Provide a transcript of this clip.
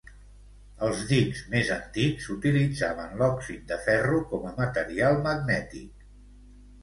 Els dics més antics utilitzaven l'òxid de ferro com a material magnètic.